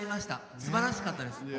すばらしかったです！